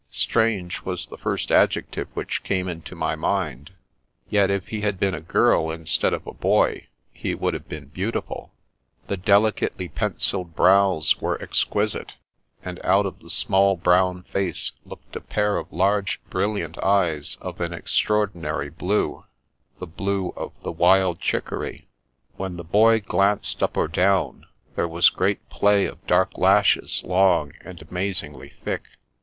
" Strange " was the first adjective which came into my mind ; yet, if he had been a girl instead of a boy, he would have been beautiful. The delicately pencilled brows were ex quisite, and out of the small brown face looked a pair of large, brilliant eyes of an extraordinary blue — ^the blue of the wild chicory. When the boy glanced up or down, there was great play of dark lashes, long, and amazingly thick.